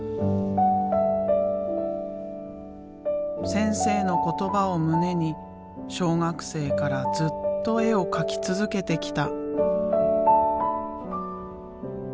先生の言葉を胸に小学生からずっと絵を描き続けてきた。